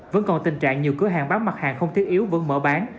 vẫn còn tình trạng nhiều cửa hàng bán mặt hàng không thiết yếu vẫn mở bán